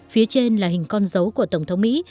phía trên là hình con dấu của tổng thống mỹ